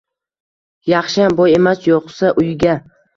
Yaxshiyam, boy emas… Yo’qsa, uyiga